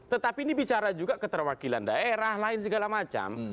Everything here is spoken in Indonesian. tetapi ini bicara juga keterwakilan daerah lain segala macam